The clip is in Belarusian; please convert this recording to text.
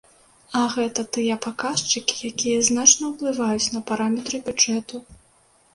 А гэта тыя паказчыкі, якія значна ўплываюць на параметры бюджэту.